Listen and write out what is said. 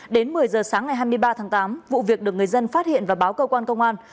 đến một mươi giờ sáng ngày hai mươi ba tháng tám vụ việc được người dân phát hiện và báo cơ quan công an